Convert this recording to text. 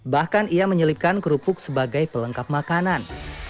bahkan ia menyelipkan kerupuk sebagai pelengkap makanan